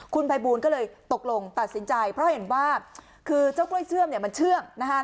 คุณภัยบูลก็เลยตกลงตัดสินใจเพราะเห็นว่าคือเจ้ากล้วยเชื่อมเนี่ยมันเชื่องนะคะ